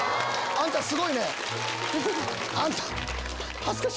あんたすごいね！